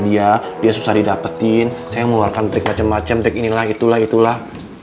dia dia susah didapetin saya mengeluarkan trik macem macem ini lah itulah itulah